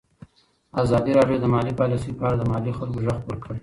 ازادي راډیو د مالي پالیسي په اړه د محلي خلکو غږ خپور کړی.